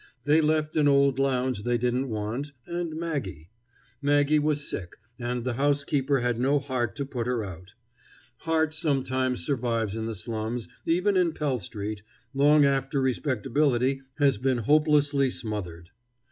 They left an old lounge they didn't want, and Maggie. Maggie was sick, and the housekeeper had no heart to put her out. Heart sometimes survives in the slums, even in Pell street, long after respectability has been hopelessly smothered.